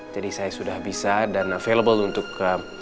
jadi saya sudah bisa dan available